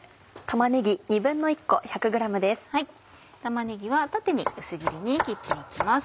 玉ねぎは縦に薄切りに切って行きます。